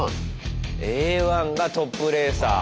Ａ１がトップレーサー。